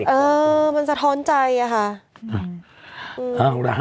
เออสะท้อนใจค่ะ